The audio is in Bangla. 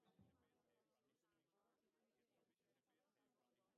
সেই চাহিদা থেকেই আমরা দীর্ঘদিন জুটি হিসেবে একসঙ্গে কাজ করে যাচ্ছি।